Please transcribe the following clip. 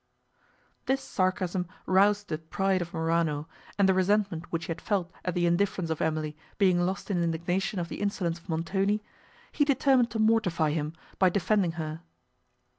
This sarcasm roused the pride of Morano, and the resentment which he had felt at the indifference of Emily, being lost in indignation of the insolence of Montoni, he determined to mortify him, by defending her.